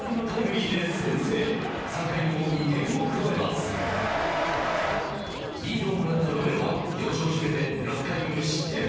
リードをもらったロメロは要所を締めて６回無失点。